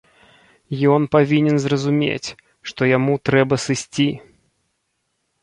Ён павінен зразумець, што яму трэба сысці.